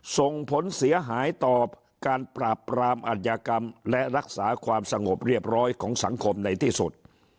ส่งผลเสียหายต่อการปราบปรามอัธยากรรมและรักษาความสงบเรียบร้อยของสังคมในที่สุด